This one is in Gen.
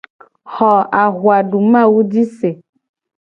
Xo ahuadumawu ji se.